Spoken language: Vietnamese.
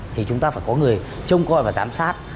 thì chúng ta phải có người trông coi và giám sát